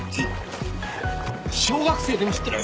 小学生でも知ってる。